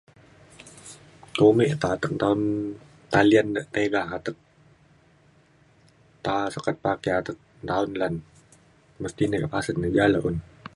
tumit tateng tan talian de tiga atek ta sukat pakai atek da’an lan mesti nai kak pasen ni ja le un.